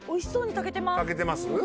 炊けてます？